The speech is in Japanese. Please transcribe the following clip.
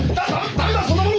駄目だそんなもの